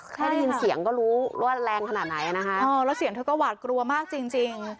แค่ได้ยินเสียงก็รู้ว่าแรงขนาดไหนนะคะแล้วเสียงเธอก็หวาดกลัวมากจริงจริง